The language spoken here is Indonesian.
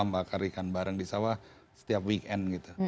membakar ikan bareng di sawah setiap weekend gitu